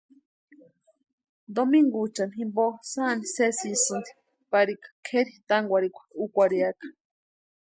Domiguchani jimpo sáni sésisïnti parika kʼeri tánkwarhikwa úkwarhiaka.